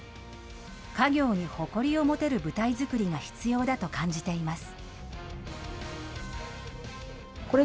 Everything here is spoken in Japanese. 家業に誇りを持てる舞台作りが必要だと感じています。